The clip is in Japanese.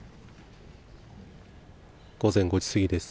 午前５時過ぎです。